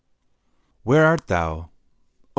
Where art thou, oh!